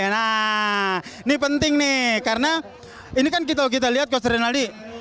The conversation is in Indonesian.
nah ini penting nih karena ini kan kita lihat coach ronaldi